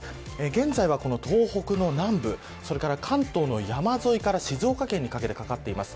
現在は東北の南部、それから関東も山沿いから静岡県にかけてかかっています。